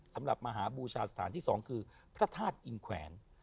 สำหรับมหาบูชาสถานที่๒คือพระธาตุอิงแขวน